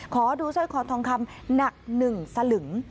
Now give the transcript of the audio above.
ขอดูเจ้าของทองคำหนักหนึ่งสลึง